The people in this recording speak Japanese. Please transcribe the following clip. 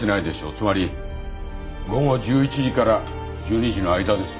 つまり午後１１時から１２時の間です。